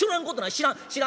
知らん？